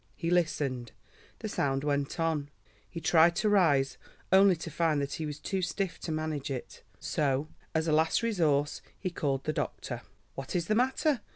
He listened; the sound went on. He tried to rise, only to find that he was too stiff to manage it. So, as a last resource, he called the doctor. "What is the matter?"